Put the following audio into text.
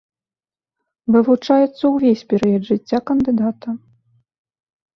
Вывучаецца ўвесь перыяд жыцця кандыдата.